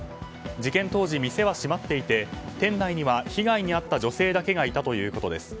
事件当時、店は閉まっていて店内には被害に遭った女性だけがいたということです。